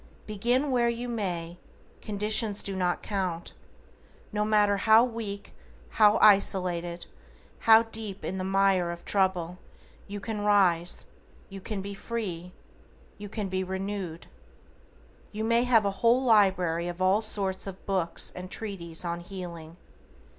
Begin where you may, conditions do not count. No matter how weak, how isolated, how deep in the mire of trouble, you can rise, you can be free, you can be renewed. You may have a whole library of all sorts of books and treatises on healing.